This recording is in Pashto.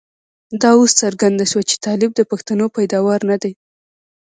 دا اوس څرګنده شوه چې طالب د پښتنو پيداوار نه دی.